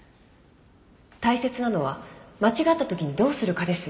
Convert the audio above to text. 大切なのは間違った時にどうするかです。